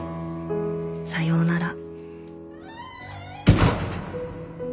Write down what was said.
さようなら」。